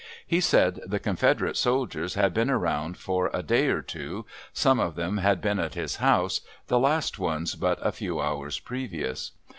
He said the Confederate soldiers had been around for a day or two. Some of them had been at his house, the last ones but a few hours previous.